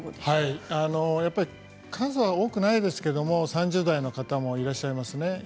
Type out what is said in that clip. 数は多くないですけども３０代の方もいらっしゃいますね。